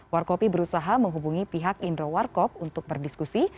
warkopi berusaha menghubungi pihak indro warkop untuk berdiskusi